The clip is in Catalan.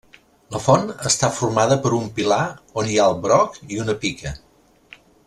La font està formada per un pilar on hi ha el broc i una pica.